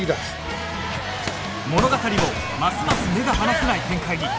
物語もますます目が離せない展開に